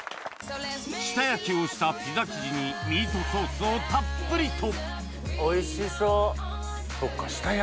下焼きをしたピザ生地にミートソースをたっぷりとおいしそうそっか。